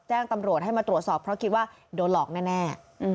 แจ้งตำรวจให้มาตรวจสอบเพราะคิดว่าโดนหลอกแน่